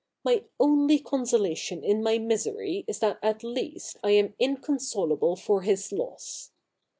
My only consolation in my misery is that at least I am inconsolable for His loss.